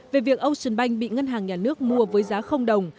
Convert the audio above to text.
về việc ocean bank bị ngân hàng nhà nước mua với giá đồng